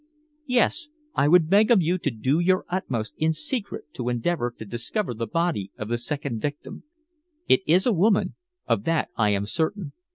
"Yes, I would beg of you to do your utmost in secret to endeavor to discover the body of the second victim. It is a woman of that I am certain.